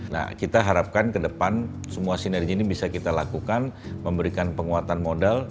nah kita harapkan ke depan semua sinergi ini bisa kita lakukan memberikan penguatan modal